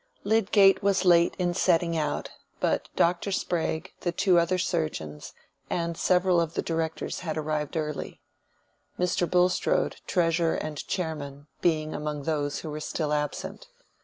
Lydgate was late in setting out, but Dr. Sprague, the two other surgeons, and several of the directors had arrived early; Mr. Bulstrode, treasurer and chairman, being among those who were still absent.